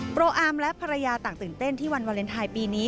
อาร์มและภรรยาต่างตื่นเต้นที่วันวาเลนไทยปีนี้